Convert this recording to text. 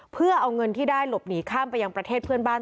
เพื่อเอาเงินที่ได้หลบหนีข้ามไปยังประเทศเพื่อนบ้าน